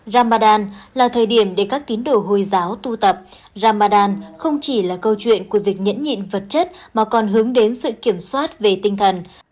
ramadan là thời điểm để các tín đồ hồi giáo tu tập ramadan không chỉ là câu chuyện của việc nhẫn nhịn vật chất mà còn hướng đến sự kiểm soát về tinh thần